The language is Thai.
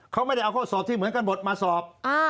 เขาไม่ได้เอาข้อสอบที่เหมือนกันบทมาสอบ